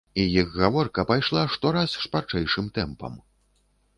І іх гаворка пайшла штораз шпарчэйшым тэмпам.